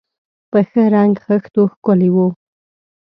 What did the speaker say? په ښه رنګ خښتو ښکلي و.